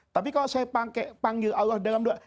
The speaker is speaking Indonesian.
tapi kalau saya panggil allah dalam doa